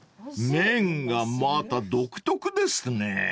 ［麺がまた独特ですね］